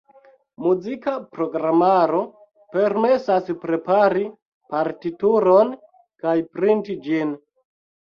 Muzika programaro permesas prepari partituron kaj printi ĝin.